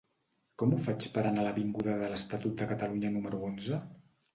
Com ho faig per anar a l'avinguda de l'Estatut de Catalunya número onze?